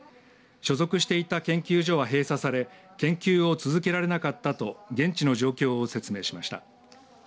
所属していた研究所は閉鎖され研究を続けられなかったと現地の状況を説明しました。